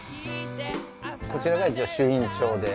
こちらが一応朱印帳で。